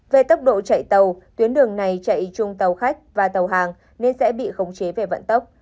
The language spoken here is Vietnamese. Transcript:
về tốc độ chạy tàu tuyến đường này chạy chung tàu khách và tàu hàng nên sẽ bị khống chế về vận tốc